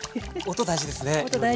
音大事です！